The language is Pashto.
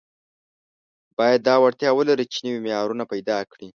باید دا وړتیا ولري چې نوي معناوې پیدا کړي.